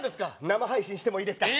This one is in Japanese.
生配信してもいいですか？